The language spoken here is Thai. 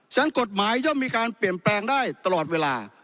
ฉะนั้นกฎหมายย่อมมีการเปลี่ยนแปลงได้ตลอดเวลา